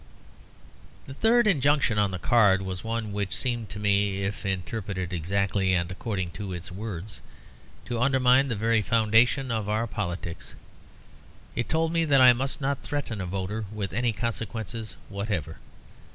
The third injunction on the card was one which seemed to me, if interpreted exactly and according to its words, to undermine the very foundations of our politics. It told me that I must not "threaten a voter with any consequence whatever."